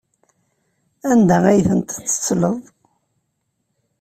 Anda ay tent-tettleḍ?